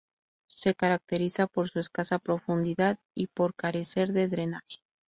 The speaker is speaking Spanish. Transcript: Se caracteriza por su escasa profundidad, y por carecer de drenaje.